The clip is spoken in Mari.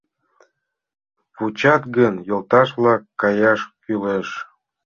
Вучат гын, йолташ-влак, каяш кӱлеш.